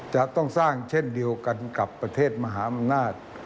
จะต้องสร้างเช่นเดียวกันกับประเทศมหาอำนาจ